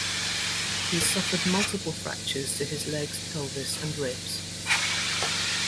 He suffered multiple fractures to his legs, pelvis and ribs.